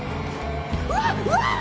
うわっうわあ！